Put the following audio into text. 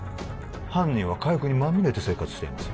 犯人は火薬にまみれて生活しています